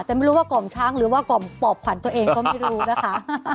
แต่ไม่รู้ว่ากล่อมช้างหรือว่ากล่อมปอบขวัญตัวเองก็ไม่รู้นะคะ